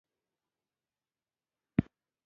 يو بشپړ کال تېر شو او فورډ يو ځل بيا امر وکړ.